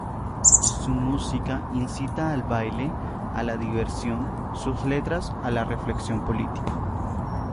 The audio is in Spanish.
Su música incita al baile, a la diversión; sus letras a la reflexión política.